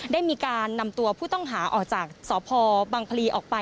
ได้มีการนำตัวผู้ต้องหาออกจากสพบังพลีออกไป